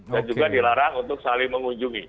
dan juga dilarang untuk saling mengunjungi